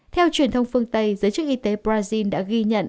theo truyền thông phương tây giới chức y tế brazil đã ghi nhận